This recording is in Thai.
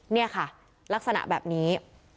นี่ค่ะลักษณะแบบนี้